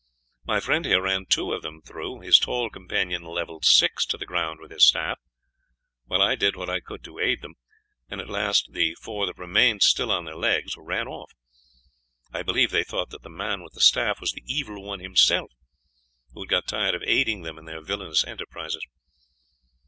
My friend here ran two of them through, his tall companion levelled six to the ground with his staff, while I did what I could to aid them, and at last the four that remained still on their legs ran off. I believe they thought that the man with the staff was the Evil One himself, who had got tired of aiding them in their villainous enterprises."